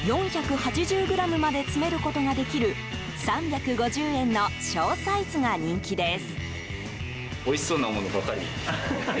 ４８０ｇまで詰めることができる３５０円の小サイズが人気です。